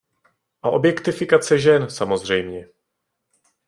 A objektifikace žen, samozřejmě.